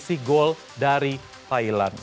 selisih gol dari thailand